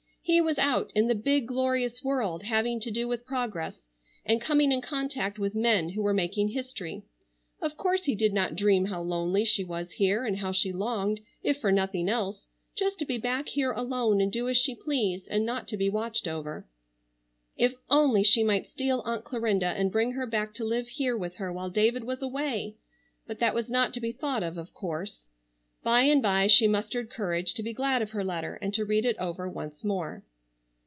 He was out in the big glorious world having to do with progress, and coming in contact with men who were making history. Of course he did not dream how lonely she was here, and how she longed, if for nothing else, just to be back here alone and do as she pleased, and not to be watched over. If only she might steal Aunt Clarinda and bring her back to live here with her while David was away! But that was not to be thought of, of course. By and by she mustered courage to be glad of her letter, and to read it over once more.